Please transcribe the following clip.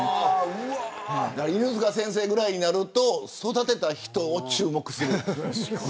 犬塚先生ぐらいになると育てた人に注目する。